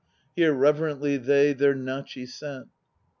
Here reverently they their Nachi set.